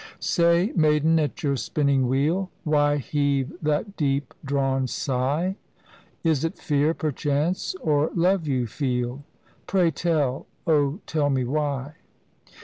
] "Say, maiden at your spinning wheel, Why heave that deep drawn sigh? Is 't fear, perchance, or love you feel? Pray tell — oh, tell me why!"